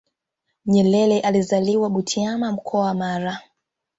nyerere alizaliwa butiama mkoa wa mara